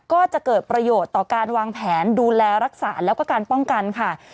ก็จะเกิดประโยชน์ต่อการวางแผนดูแลรักษาแล้วก็การป้องกันค่ะ